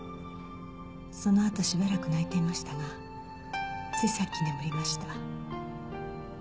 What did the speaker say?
そのあとしばらく泣いていましたがついさっき眠りました。